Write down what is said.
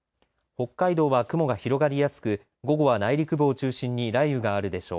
北海道は雲が広がりやすく午後は内陸部を中心に雷雨があるでしょう。